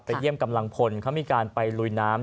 เยี่ยมกำลังพลเขามีการไปลุยน้ำ